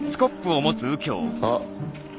あっ。